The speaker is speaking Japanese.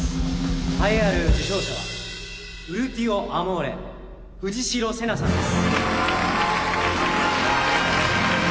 栄えある受賞者は『ウルティオアモーレ』藤代瀬那さんです。